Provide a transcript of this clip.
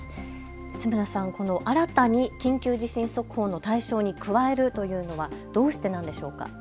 津村さん、この新たに緊急地震速報の対象に加えるというのはどうしてなんでしょうか。